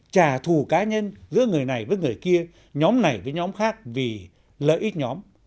trả thù cá nhân giữa người này với người kia nhóm này với nhóm khác vì lợi ích nhóm